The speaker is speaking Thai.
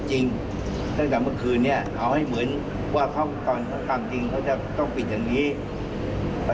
จะใกล้เปลี่ยนเส้นทางได้จะได้นั่นได้นะ